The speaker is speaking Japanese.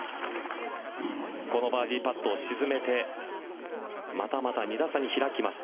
このバーディーパットを沈めてまたまた２打差に開きます。